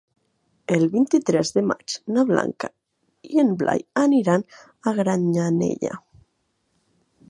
El vint-i-tres de maig na Blanca i en Blai aniran a Granyanella.